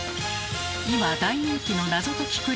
今大人気の謎解き